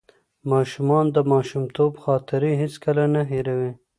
ماشومان د ماشومتوب خاطرې هیڅکله نه هېروي.